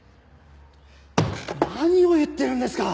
何を言ってるんですか！